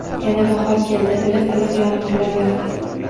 Yana bahor keldi. Ilq-iliq yomg’irlar yog’di.